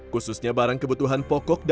khususnya barang kebutuhan pokok